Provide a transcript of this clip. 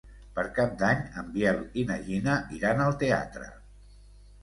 Per Cap d'Any en Biel i na Gina iran al teatre.